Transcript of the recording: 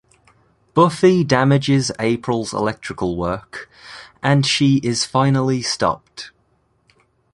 Buffy damages April's electrical work, and she is finally stopped.